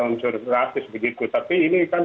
unsur rasis begitu tapi ini kan